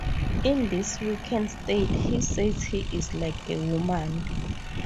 In this weakened state, he says he is like a woman.